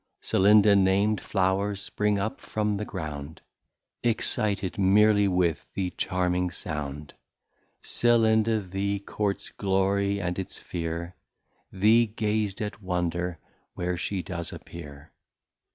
Celinda nam'd, Flow'rs spring up from the Ground, Excited meerly with the Charming Sound. Celinda, the Courts Glory, and its fear, The gaz'd at Wonder, where she does appear.